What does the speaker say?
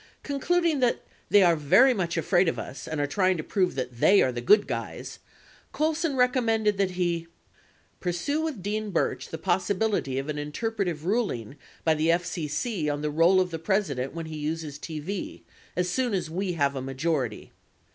Concluding that "they are very much afraid of us and are trying to prove they are the 'good guys'," Colson recommend that he : Pursue with Dean Burch the possibility of an interpretive ruling by the FCC on the role of the President when he uses TV, as soon as we have a majority.